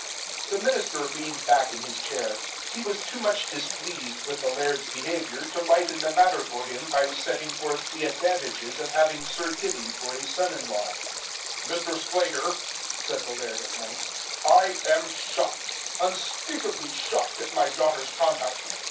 The minister leaned back in his chair. He was too much displeased with the laird's behaviour to lighten the matter for him by setting forth the advantages of having Sir Gibbie for a son in law. "Mr. Sclater," said the laird at length, "I am shocked, unspeakably shocked, at my daughter's conduct.